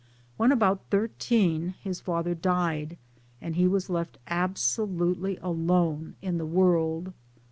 >When about thirteen his father died, and he was left absolutely alone in the world.